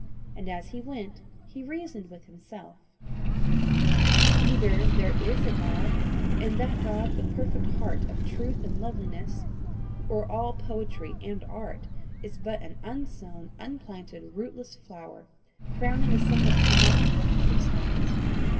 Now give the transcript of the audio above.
And as he went he reasoned with himself "Either there is a God, and that God the perfect heart of truth and loveliness, or all poetry and art is but an unsown, unplanted, rootless flower, crowning a somewhat symmetrical heap of stones.